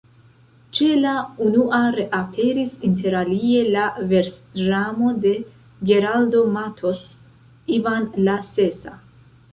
Ĉe la unua reaperis interalie la versdramo de Geraldo Mattos, Ivan la Sesa.